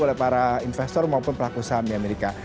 oleh para investor maupun pelaku saham di amerika